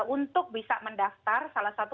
untuk bisa mendaftar salah satu